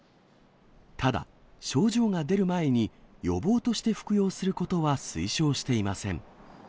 ただ、症状が出る前に予防として服用することは推奨していません。